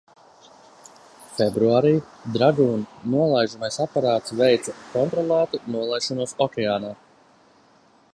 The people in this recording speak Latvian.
"Februārī "Dragon" nolaižamais aparāts veica kontrolētu nolaišanos okeānā."